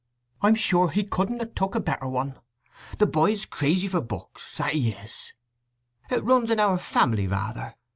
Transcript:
"I'm sure he couldn't ha' took a better one. The boy is crazy for books, that he is. It runs in our family rather.